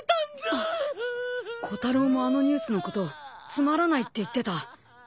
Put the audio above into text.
あっコタロウもあのニュースのこと「つまらない」って言ってた。